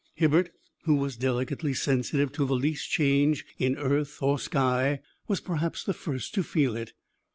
Hibbert, who was delicately sensitive to the least change in earth or sky, was perhaps the first to feel it.